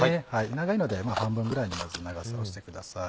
長いので半分ぐらいにまず長さをしてください。